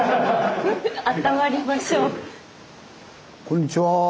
こんにちは。